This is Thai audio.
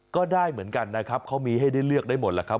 ก็ได้เหมือนกันนะครับเขามีให้ได้เลือกได้หมดแล้วครับ